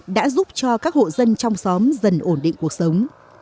đã giúp cho các hộ dân trong xóm dần ổn định cuộc sống